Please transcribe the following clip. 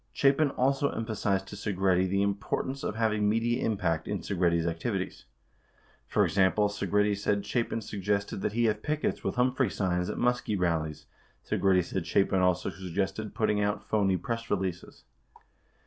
11 Chapin also emphasized to Segretti the importance of having media impact in Segretti's activities. For example, Segretti said Chapin sug gested that he have pickets with Humphrey signs at Muskie rallies. Segretti said Chapin also suggested putting out phoney press releases.